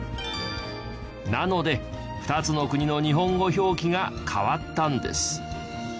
なので２つの国の日本語表記が変わったんです。